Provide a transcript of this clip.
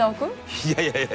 いやいやいや。